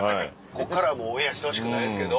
こっからはもうオンエアしてほしくないですけど。